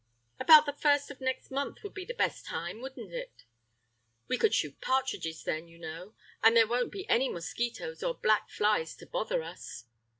"About the first of next month would be the best time, wouldn't it? We could shoot partridges then, you know, and there won't be any mosquitoes or black flies to bother us."